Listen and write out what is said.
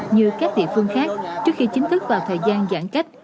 như các địa phương khác trước khi chính thức vào thời gian giãn cách